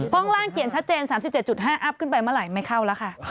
ห้องล่างเขียนชัดเจน๓๗๕อัพขึ้นไปเมื่อไหร่ไม่เข้าแล้วค่ะ